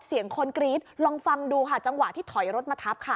เสียงคนกรี๊ดลองฟังดูค่ะจังหวะที่ถอยรถมาทับค่ะ